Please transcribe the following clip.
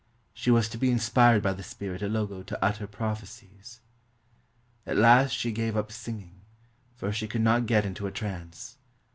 She was to be inspired by the spirit Ilogo to utter prophecies. At last she gave up singing, for she could not get into a trance.